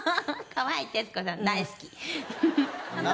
かわいい徹子さん大好き。